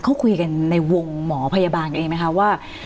เขาคุยกันในวงหมอพยาบาลเองไหมคะว่า